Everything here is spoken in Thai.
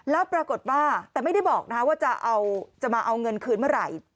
แล้วปรากฏว่าแต่ไม่ได้บอกว่าจะมาเอาเงินคืนเมื่อไหร่